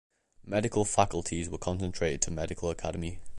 Medical faculties were concentrated to Medical Academy.